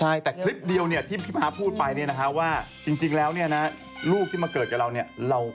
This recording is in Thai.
ใช่แต่คลิปเดียวเนี่ยที่พี่ม้าพูดไปเนี่ยนะคะว่าจริงแล้วเนี่ยนะลูกที่มาเกิดกับเราเนี่ย